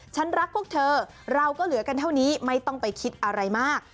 ฉันรักพวกเธอเราก็เหลือกันเท่านี้ไม่ต้องไปคิดอะไรมาก